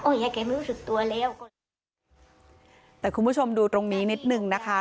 ยายแกไม่รู้สึกตัวแล้วก็แต่คุณผู้ชมดูตรงนี้นิดหนึ่งนะคะ